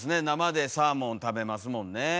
生でサーモンを食べますもんね。